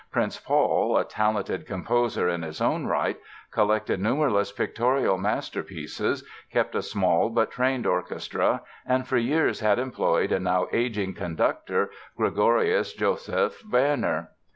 Prince Paul, a talented composer in his own right, collected numberless pictorial masterworks, kept a small but trained orchestra and for years had employed a now aging conductor, Gregorius Joseph Werner.